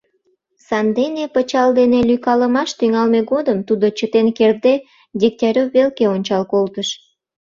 Сандене пычал дене лӱйкалымаш тӱҥалме годым тудо чытен кертде Дегтярев велке ончал колтыш».